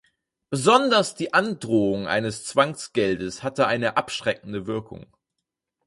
Besonders die Androhung eines Zwangsgeldes hatte eine abschreckende Wirkung.